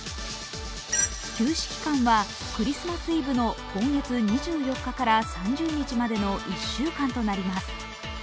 休止期間はクリスマスイブの今月２４日から３０日までの１週間とのなります。